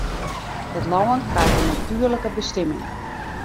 It lân krijt in natuerlike bestimming.